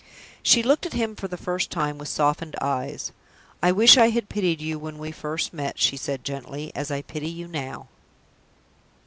She looked at him for the first time with softened eyes. "I wish I had pitied you when we first met," she said, gently, "as I pity you now."